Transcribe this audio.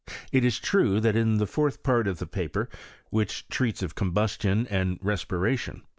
It is true that in the fourth part of the paper, which treats of combustion and respiration.